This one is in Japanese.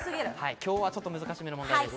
今日はちょっと難しめの問題です。